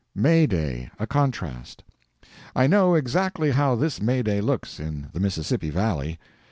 MAY DAY—A CONTRAST. I know exactly how this May Day looks in the Mississippi Valley.